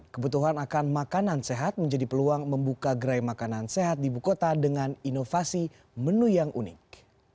kebutuhan akan makanan sehat menjadi peluang membuka gerai makanan sehat di buku kota dengan inovasi menu yang unik